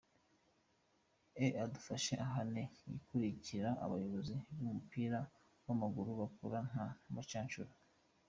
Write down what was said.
E adufashe ahane yihanukiriye abayobozi b’umupira w’amaguru bakora nk’abacanshuro!.